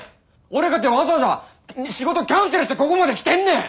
俺かてわざわざ仕事キャンセルしてここまで来てんねん！